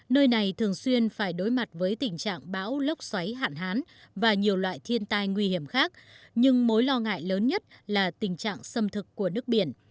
nơi này thường xuyên phải đối mặt với tình trạng bão lốc xoáy hạn hán và nhiều loại thiên tai nguy hiểm khác nhưng mối lo ngại lớn nhất là tình trạng xâm thực của nước biển